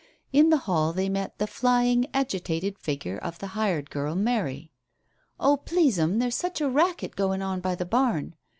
In the hall they met the flying, agitated figure of the hired girl, Mary. "Oh, please, 'm, there's such a racket going on by the barn.